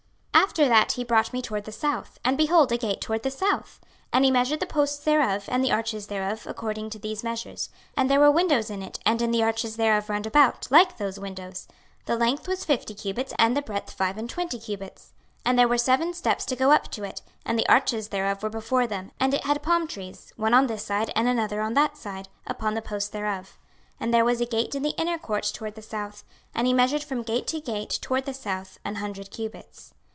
26:040:024 After that he brought me toward the south, and behold a gate toward the south: and he measured the posts thereof and the arches thereof according to these measures. 26:040:025 And there were windows in it and in the arches thereof round about, like those windows: the length was fifty cubits, and the breadth five and twenty cubits. 26:040:026 And there were seven steps to go up to it, and the arches thereof were before them: and it had palm trees, one on this side, and another on that side, upon the posts thereof. 26:040:027 And there was a gate in the inner court toward the south: and he measured from gate to gate toward the south an hundred cubits.